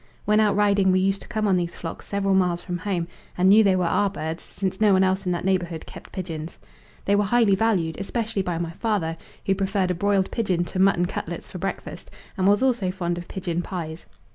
When out riding we used to come on these flocks several miles from home, and knew they were our birds since no one else in that neighbourhood kept pigeons. They were highly valued, especially by my father, who preferred a broiled pigeon to mutton cutlets for breakfast, and was also fond of pigeon pies.